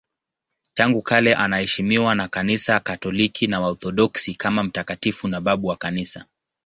Tangu kale anaheshimiwa na Kanisa Katoliki na Waorthodoksi kama mtakatifu na babu wa Kanisa.